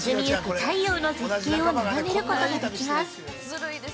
太陽の絶景を眺めることができます。